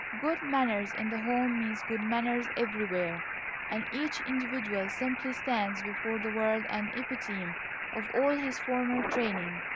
Good manners in the home means good manners everywhere; and each individual simply stands before the world an epitome of all his former training.